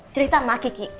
cerita sama kiki